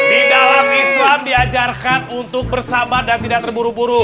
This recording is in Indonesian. di dalam islam diajarkan untuk bersabar dan tidak terburu buru